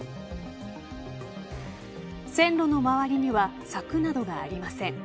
線路の周りには柵などがありません。